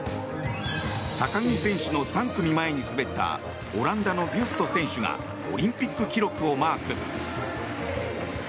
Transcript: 高木選手の３組前に滑ったオランダのビュスト選手がオリンピック記録をマーク。